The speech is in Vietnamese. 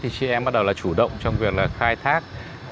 thì chị em bắt đầu là chủ động trong việc là khai thác